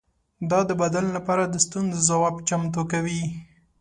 دا د بدن لپاره د ستونزو ځواب چمتو کوي.